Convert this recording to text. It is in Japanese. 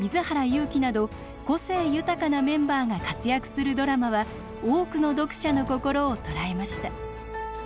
勇気など個性豊かなメンバーが活躍するドラマは多くの読者の心を捉えました。